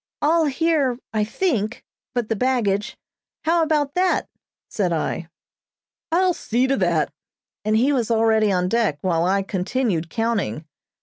"All here, I think, but the baggage. How about that?" said I. "I'll see to that," and he was already on deck, while I continued counting.